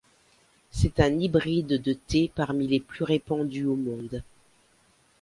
C'est un hybride de thé parmi les plus répandus au monde.